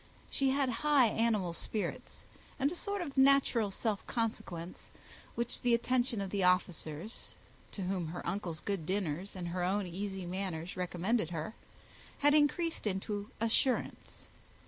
She had high animal spirits, and a sort of natural self consequence, which the attentions of the officers, to whom her uncle's good dinners and her own easy manners recommended her, had increased into assurance.